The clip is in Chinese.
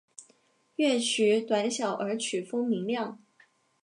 乐曲短小而曲风明亮。